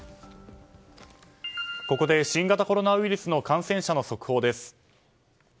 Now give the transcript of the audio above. ここで新型コロナウイルスの感染者の速報です。